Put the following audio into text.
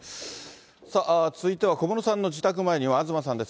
さあ、続いては小室さんの自宅前には、東さんです。